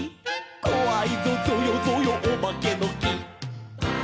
「こわいぞぞよぞよおばけのき」